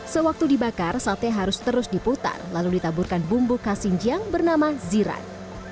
sewaktu dibakar sate harus terus diputar lalu ditaburkan bumbu khas xinjiang bernama ziran